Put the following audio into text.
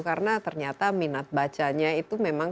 karena ternyata minat bacanya itu memang